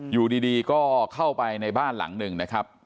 อยู่ดีก็เข้าไปในบ้านหลังหนึ่งนะครับ